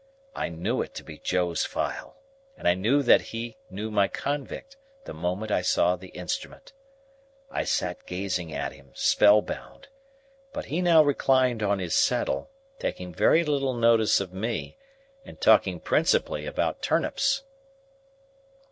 I knew it to be Joe's file, and I knew that he knew my convict, the moment I saw the instrument. I sat gazing at him, spell bound. But he now reclined on his settle, taking very little notice of me, and talking principally about turnips.